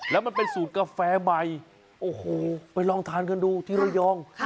แล้วมันเป็นสูตรกาแฟใหม่โอ้โหไปลองทานกันดูที่ระยอง